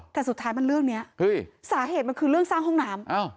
แต่สุดท้ายมันเรื่องนี้สาเหตุมันคือเรื่องสร้างห้องน้ำ